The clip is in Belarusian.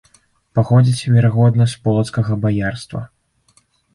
Паходзяць, верагодна, з полацкага баярства.